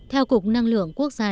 theo cục năng lượng quốc gia